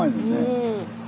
うん。